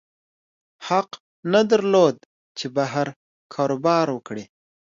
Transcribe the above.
حق نه درلود چې بهر کاروبار وکړي.